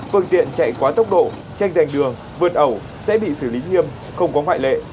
phương tiện chạy quá tốc độ tranh giành đường vượt ẩu sẽ bị xử lý nghiêm không có ngoại lệ